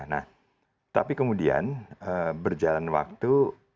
nah tapi kemudian berjalan waktu